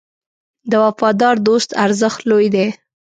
د وفادار دوست ارزښت لوی دی.